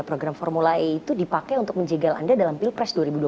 program formula e itu dipakai untuk menjegal anda dalam pilpres dua ribu dua puluh